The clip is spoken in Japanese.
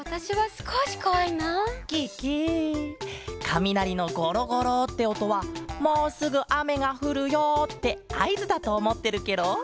かみなりのゴロゴロっておとは「もうすぐあめがふるよ」ってあいずだとおもってるケロ。